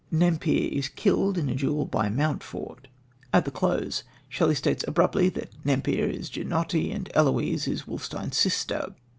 Nempère is killed in a duel by Mountfort. At the close, Shelley states abruptly that Nempère is Ginotti, and Eloise is Wolfstein's sister.